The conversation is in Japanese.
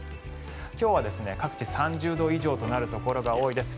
今日は各地、３０度以上となるところが多いです。